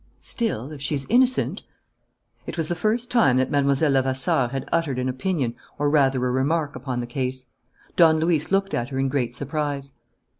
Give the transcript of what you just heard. "Still, if she's innocent?" It was the first time that Mlle. Levasseur had uttered an opinion or rather a remark upon the case. Don Luis looked at her in great surprise.